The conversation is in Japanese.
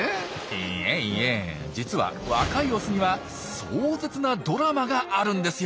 いえいえ実は若いオスには壮絶なドラマがあるんですよ。